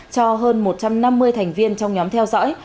cho hơn một trăm năm mươi thành viên trong nhóm theo dõi